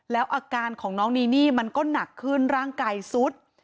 แล้วอาการของน้องนีนี่มันก็หนักขึ้นร่างกายซุด